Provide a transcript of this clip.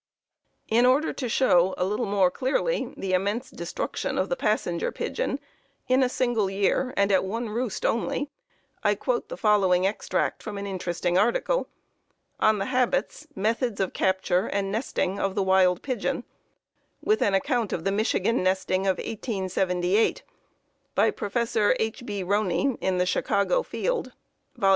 In order to show a little more clearly the immense destruction of the Passenger Pigeon in a single year and at one roost only, I quote the following extract from an interesting article "On the Habits, Methods of Capture, and Nesting of the Wild Pigeon," with an account of the Michigan nesting of 1878, by Prof. H. B. Roney, in the Chicago Field (Vol.